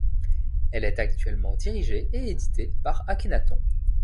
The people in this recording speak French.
Elle est actuellement dirigée et éditée par Akenaton.